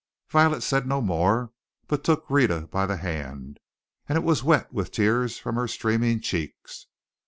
Violet said no more, but took Rhetta by the hand, and it was wet with tears from her streaming cheeks.